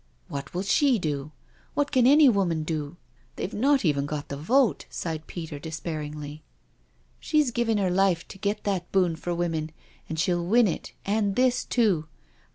" What will she do? What can any woman do? — they've not even got a vote," sighed Peter despair ingly. " She's giving her life to get that boon for women, and she'll win it, and this too.